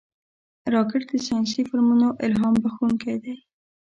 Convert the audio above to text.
راکټ د ساینسي فلمونو الهام بښونکی دی